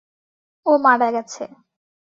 ও মারা গেছে।